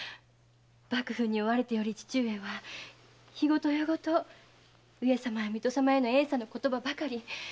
幕府に追われてより父上は日ごと夜ごと上様や水戸様への怨嗟の言葉ばかり。